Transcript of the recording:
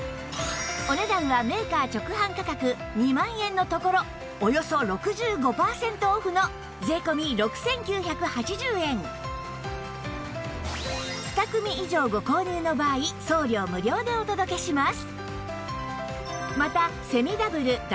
お値段はメーカー直販価格２万円のところおよそ６５パーセントオフの税込６９８０円でお届けします